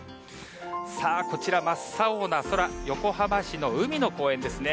こちら、真っ青な空、横浜市の海の公園ですね。